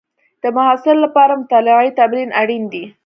د محصل لپاره مطالعې تمرین اړین دی.